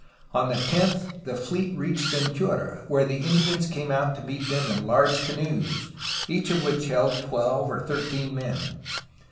On the 10th the fleet reached Ventura, where the Indians came out to meet them in large canoes, each of which held twelve or thirteen men.